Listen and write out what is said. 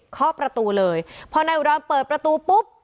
ข้อประตูเลยพอนายอุดรเปิดประตูปุ๊บ